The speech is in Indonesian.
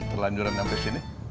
terlanjuran sampai sini